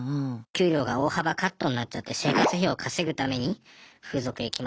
給料が大幅カットになっちゃって生活費を稼ぐために風俗へ来ましたとか。